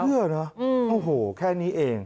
เพื่อเนอะโอ้โหแค่นี้เอง